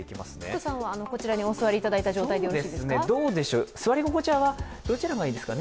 福さんはこちらにお座りいただいた状態でよろしいですか？